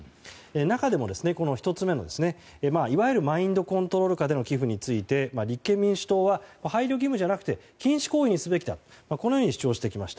中でも、１つ目のいわゆるマインドコントロール下での寄付について立憲民主党は配慮義務じゃなくて禁止行為にすべきだと主張してきました。